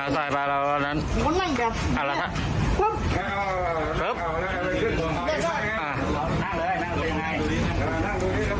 ใส่ไปแล้วแล้วนั้นอ่าล่ะครับ